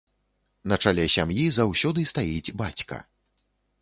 На чале сям'і заўсёды стаіць бацька.